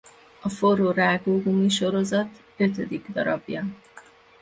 A Forró rágógumi sorozat ötödik darabja.